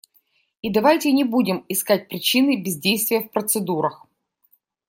И давайте не будем искать причины бездействия в процедурах.